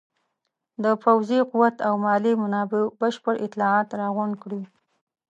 د پوځي قوت او مالي منابعو بشپړ اطلاعات راغونډ کړي.